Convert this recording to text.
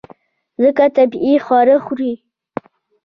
ځکه طبیعي خواړه خوري.